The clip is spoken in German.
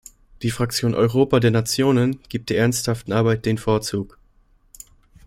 Die Fraktion Europa der Nationen gibt der ernsthaften Arbeit den Vorzug.